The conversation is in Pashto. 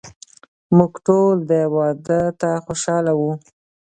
موږ ټول دې واده ته خوشحاله وو.